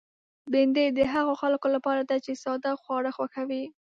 بېنډۍ د هغو خلکو لپاره ده چې ساده خواړه خوښوي